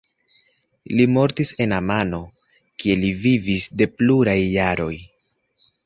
Li mortis en Amano kie li vivis de pluraj jaroj.